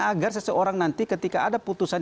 agar seseorang nanti ketika ada putusan